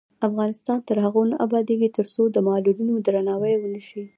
افغانستان تر هغو نه ابادیږي، ترڅو د معلولینو درناوی ونشي.